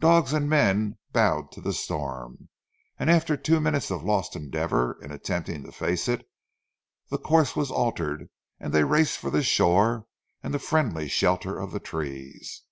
Dogs and men bowed to the storm, and after two minutes of lost endeavour in attempting to face it, the course was altered and they raced for the shore and the friendly shelter of the trees.